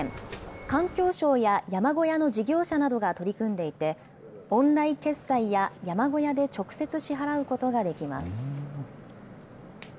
環境省や山小屋の事業者などが取り組んでいて、オンライン決済や山小屋で直接支払うことができます。